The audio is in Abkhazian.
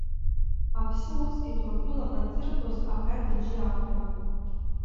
Аԥсы усгьы Ҭырқәтәылаҟа дзыргоз абра дыржыр акәхон.